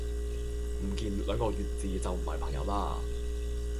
唔見兩個月字就唔係朋友啦